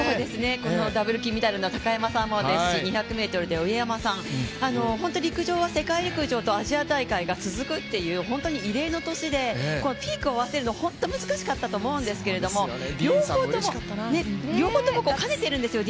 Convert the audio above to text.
このダブル金メダルの高山さんもですし本当に陸上は世界陸上とアジア大会が続くっていう本当に異例の年でピークを合わせるのは本当に難しかったと思うんですが両方とも、兼ねてるんですよ。